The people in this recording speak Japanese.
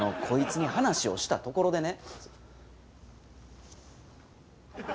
こいつに話をしたところでね。